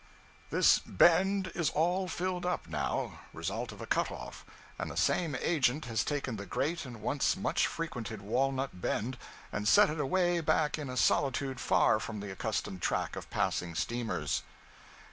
This bend is all filled up now result of a cut off; and the same agent has taken the great and once much frequented Walnut Bend, and set it away back in a solitude far from the accustomed track of passing steamers.